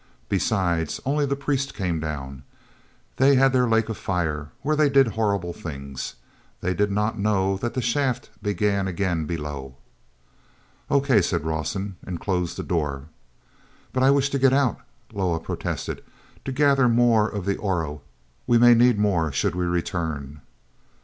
Besides, only the priests came down. They had their Lake of Fire, where they did horrible things. They did not know that the shaft began again below." "O. K.," said Rawson, and closed the door. "But I wish to get out," Loah protested, "to gather more of the Oro. We may need more, should we return."